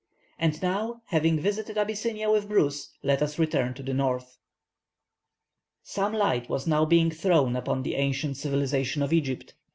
And now having visited Abyssinia with Bruce, let us return to the north. Some light was now being thrown upon the ancient civilization of Egypt.